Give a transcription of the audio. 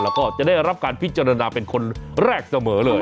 แล้วก็จะได้รับการพิจารณาเป็นคนแรกเสมอเลย